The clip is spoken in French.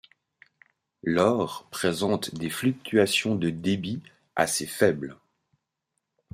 L'Aure présente des fluctuations de débits assez faibles.